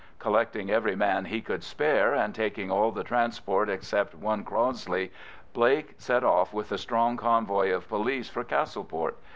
Collecting every man he could spare and taking all the transport except one Crossley, Blake set off with a strong convoy of police for Castleport.